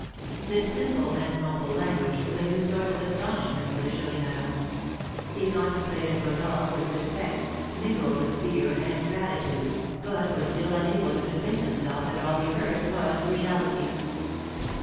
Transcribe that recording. This simple and noble language was a new source of astonishment for the Chourineur; he contemplated Rodolph with respect, mingled with fear and gratitude, but was still unable to convince himself that all he heard was reality.